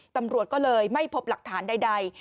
ตำรวจก็เลยไม่พบหลักฐานใด